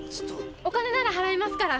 お金なら払いますから。